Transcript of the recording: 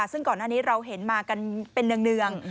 ซึ่งก่อนหน้านี้เราเห็นมากันเป็นเนือง